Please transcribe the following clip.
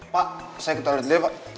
pak saya ke toilet dulu ya pak